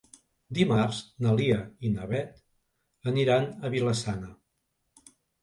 Dimarts na Lia i na Beth aniran a Vila-sana.